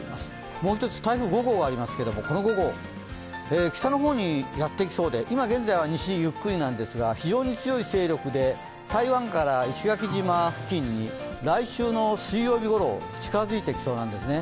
もう一つ、台風５号がありますけどこの５号北の方にやってきそうで、今現在は西ゆっくりなんですが非常に強い勢力で台湾から石垣島付近に来週の水曜日ごろ近づいてきそうなんですね。